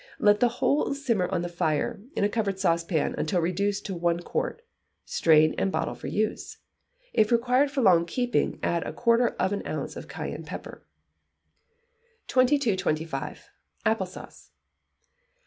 Let the whole simmer on the fire, in a covered saucepan, until reduced to one quart, strain, and bottle for use. If required for long keeping, add a quarter of an ounce of cayenne pepper. 2225. Apple Sauce.